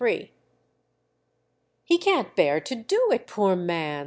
III "He can't bear to do it, poor man!"